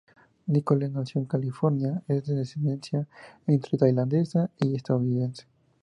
Nicole, nació en California, es de ascendencia entre tailandesa y estadounidense.